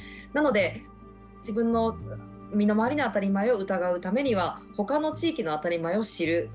なので自分の身の回りの当たり前を疑うためにはほかの地域の当たり前を知る。